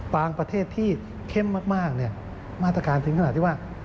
ประเทศที่เข้มมากมาตรการถึงขนาดที่ว่า